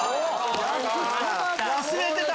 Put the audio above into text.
忘れてた！